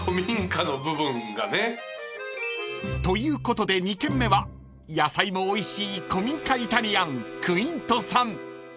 ［ということで２軒目は野菜もおいしい古民家イタリアンクイントさん］